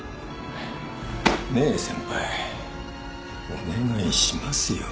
ねえ先輩お願いしますよ。